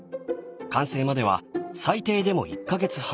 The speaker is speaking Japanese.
完成までは最低でも１か月半。